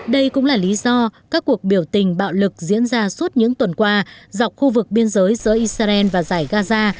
đây cũng là lý do các cuộc biểu tình bạo lực diễn ra suốt những tuần qua dọc khu vực biên giới giữa israel và giải gaza